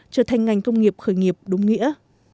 trở thành ngành công nghiệp khởi nghiệp đúng nghĩa